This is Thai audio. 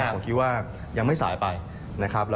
ผมคิดว่ายังไม่สายไป